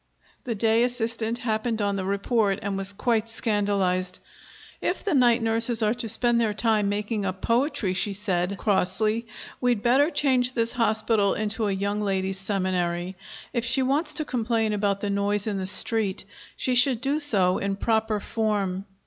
The day assistant happened on the report, and was quite scandalized. "If the night nurses are to spend their time making up poetry," she said crossly, "we'd better change this hospital into a young ladies' seminary. If she wants to complain about the noise in the street, she should do so in proper form."